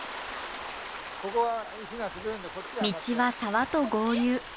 道は沢と合流。